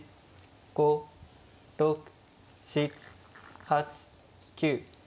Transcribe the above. ５６７８９。